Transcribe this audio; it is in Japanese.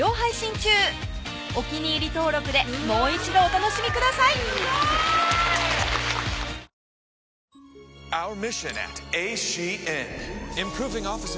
お気に入り登録でもう一度お楽しみくださいドーン！